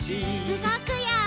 うごくよ！